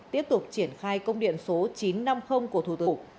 tiếp tục triển khai công điện số chín trăm năm mươi của thủ tục